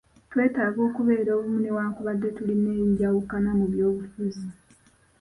Twetaaga okubeera obumu newankubadde tulina enjawukana mu by'obufuzi.